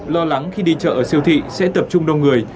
lo lắng khi đi chợ ở siêu thị sẽ tập trung đông người